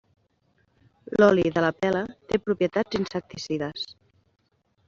L'oli de la pela té propietats insecticides.